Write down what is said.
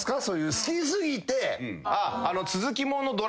好き過ぎて。